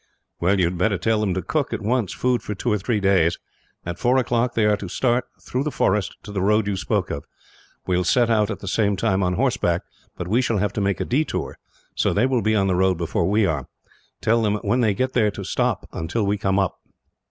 "Well, you had better tell them to cook, at once, food for two or three days. At four o'clock they are to start, through the forest, to the road you spoke of. We will set out at the same time, on horseback; but we shall have to make a detour, so they will be on the road before we are. Tell them when they get there to stop, until we come up."